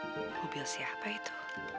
mobil siapa itu